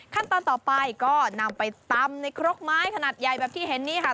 ขั้นตอนต่อไปก็นำไปตำในครกไม้ขนาดใหญ่แบบที่เห็นนี่ค่ะ